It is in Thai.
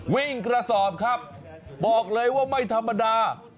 วิ่งกระสอบครับบอกเลยว่าไม่ธรรมดา